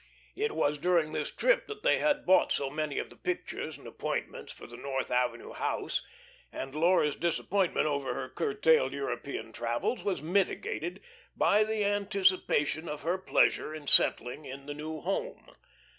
It was during this trip that they had bought so many of the pictures and appointments for the North Avenue house, and Laura's disappointment over her curtailed European travels was mitigated by the anticipation of her pleasure in settling in the new home.